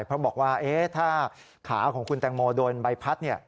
เพราะบอกว่าถ้าขาของคุณแตงโมโดนใบพัด